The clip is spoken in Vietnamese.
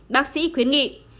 bác sĩ khuyến nghị